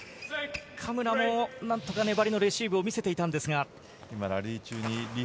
嘉村も何とか粘りのレシーブを見せていたんですが。